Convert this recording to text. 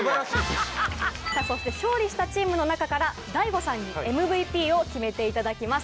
そして勝利したチームの中から大悟さんにＭＶＰを決めていただきます。